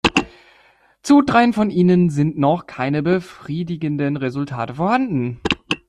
Zu dreien von ihnen sind noch keine befriedigenden Resultate vorhanden.